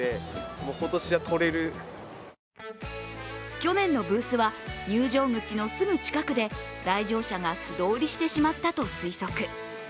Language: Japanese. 去年のブースは入場口のすぐ近くで、来場者が素通りしてしまったと推測。